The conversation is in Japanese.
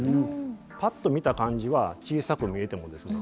パッと見た感じは小さく見えてもですね